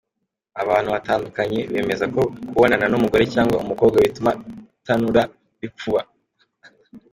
Abantu batandukanye bemeza ko kubonana n’umugore cyangwa umukobwa bituma itanura ripfuba.